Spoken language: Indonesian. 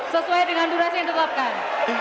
sesuai dengan durasi yang ditetapkan